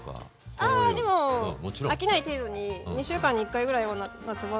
あでも飽きない程度に２週間に１回ぐらいは夏場登場しますね。